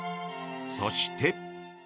そして。